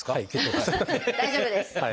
大丈夫です。